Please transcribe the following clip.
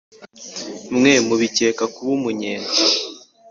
mwe mubikeka kuba umunyenga